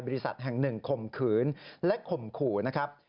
บริษัทแห่งหนึ่งข่มขืนและข่มขู่นะครับ